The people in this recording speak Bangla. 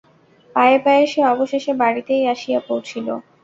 পায়ে পায়ে সে অবশেষে বাড়িতেই আসিয়া পৌঁছিল।